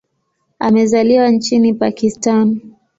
Amezaliwa nchini Pakistan.